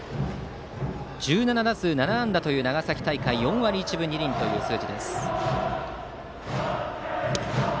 １７打数７安打という長崎大会４割１分２厘という数字です。